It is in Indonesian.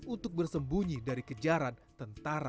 untuk bersembunyi dari kejaran tentara